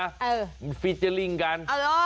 เออฟิเจอร์ลิ่งกัน